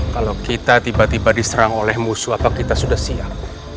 kalau kita tiba tiba diserang oleh musuh apa kita sudah siap